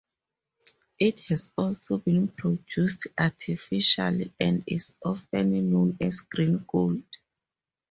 It has also been produced artificially, and is often known as green gold.